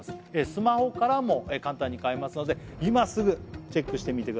スマホからも簡単に買えますので今すぐチェックしてみてください